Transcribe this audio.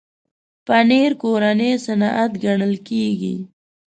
پنېر کورنی صنعت ګڼل کېږي.